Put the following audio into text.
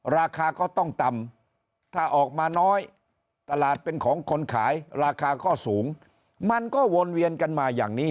ราคาก็ต้องต่ำถ้าออกมาน้อยตลาดเป็นของคนขายราคาก็สูงมันก็วนเวียนกันมาอย่างนี้